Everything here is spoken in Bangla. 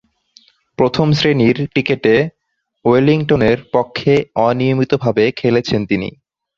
প্রথম-শ্রেণীর ক্রিকেটে ওয়েলিংটনের পক্ষে অনিয়মিতভাবে খেলেছেন তিনি।